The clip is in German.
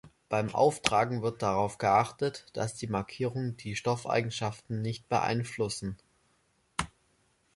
Beim Auftragen wird darauf geachtet, dass die Markierungen die Stoffeigenschaften nicht beeinflussen.